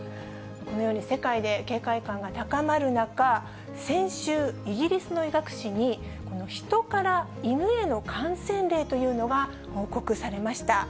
このように世界で警戒感が高まる中、先週、イギリスの医学誌に、このヒトからイヌへの感染例というのが報告されました。